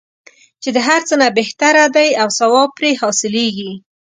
چې د هر څه نه بهتره دی او ثواب پرې حاصلیږي.